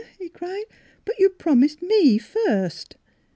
" he cried. " But you promised me first."